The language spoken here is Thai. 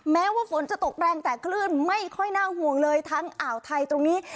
แม้ว่าฝนจะตกแรงแต่คลื่นไม่ค่อยน่าห่วงเลยทั้งอ่าวไทยตรงนี้